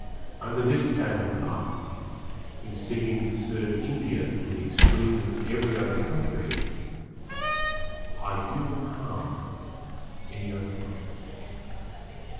Under this plan of life, in seeming to serve India to the exclusion of every other country I do not harm any other country.